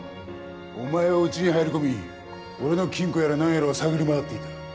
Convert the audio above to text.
お前はうちに入り込み俺の金庫やらなんやらを探り回っていた。